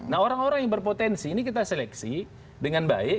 nah orang orang yang berpotensi ini kita seleksi dengan baik